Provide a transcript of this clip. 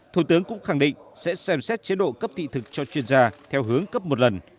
thủ tướng cũng khẳng định sẽ xem xét chế độ cấp thị thực cho chuyên gia theo hướng cấp một lần